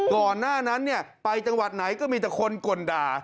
ก่อนหน้านั้นไปจังหวัดไหนก็มีแต่คนก่นด่า